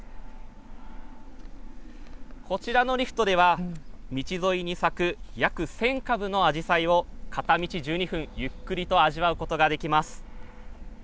こちらのリフトでは道沿いに咲く約１０００株のアジサイを片道１２分、ゆっくりと味わうことができます。